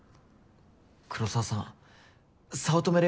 黒澤さん早乙女蓮